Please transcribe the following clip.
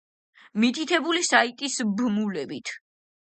მითითებული საიტის ბმულებით.